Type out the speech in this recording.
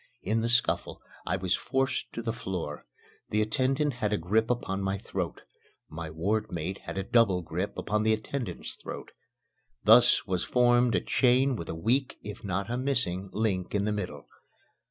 In the scuffle I was forced to the floor. The attendant had a grip upon my throat. My wardmate had a double grip upon the attendant's throat. Thus was formed a chain with a weak, if not a missing, link in the middle.